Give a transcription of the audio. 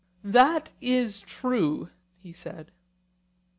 That is true, he said.